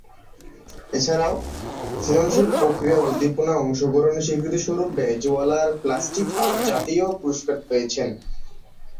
এছাড়াও, সৃজনশীল প্রক্রিয়ার উদ্দীপনায় অংশগ্রহণের স্বীকৃতিস্বরূপ ভেনেজুয়েলার প্লাস্টিক আর্টস জাতীয় পুরস্কার পেয়েছেন।